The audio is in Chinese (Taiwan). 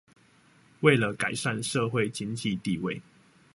為了改善社會經濟地位